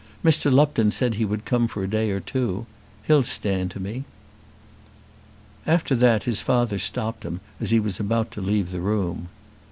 Mr. Lupton said he would come for a day or two. He'll stand to me." After that his father stopped him as he was about to leave the room.